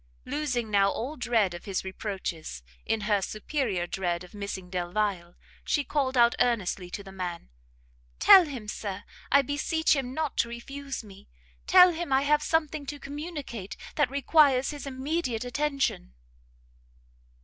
Losing now all dread of his reproaches, in her superior dread of missing Delvile, she called out earnestly to the man, "Tell him, Sir, I beseech him not to refuse me! tell him I have something to communicate that requires his immediate attention!"